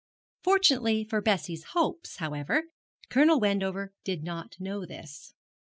Fortunately for Bessie's hopes, however, Colonel Wendover did not know this.